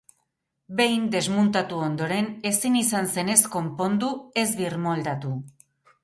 Behin desmuntatu ondoren, ezin izan zen ez konpondu ez birmoldatu.